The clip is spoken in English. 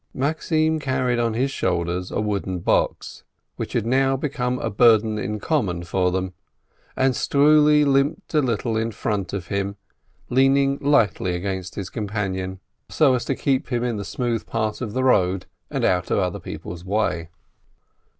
Maxim carried on his shoulders a wooden box, which had now became a burden in common for them, and Struli limped a little in front of him, leaning lightly against his companion, so as to A LIVELIHOOD 255 keep him in the smooth part of the road and out of other people's way.